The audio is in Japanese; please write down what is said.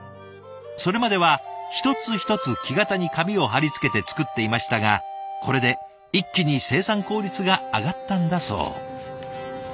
それまでは一つ一つ木型に紙を張り付けて作っていましたがこれで一気に生産効率が上がったんだそう。